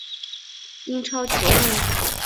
英超球证